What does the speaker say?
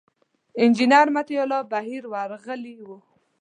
انجینر مطیع الله بهیر ورغلي و.